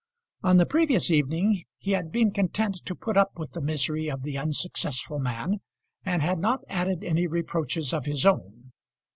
On the previous evening he had been content to put up with the misery of the unsuccessful man, and had not added any reproaches of his own.